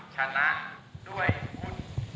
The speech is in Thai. ชนะด้วยคุณ